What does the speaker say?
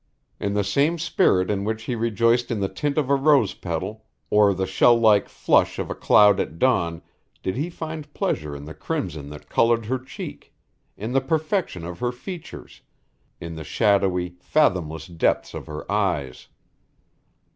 In the same spirit in which he rejoiced in the tint of a rose's petal or the shell like flush of a cloud at dawn did he find pleasure in the crimson that colored her cheek, in the perfection of her features, in the shadowy, fathomless depths of her eyes.